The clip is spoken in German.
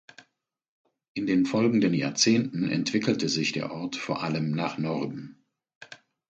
In den folgenden Jahrzehnten entwickelte sich der Ort vor allem nach Norden.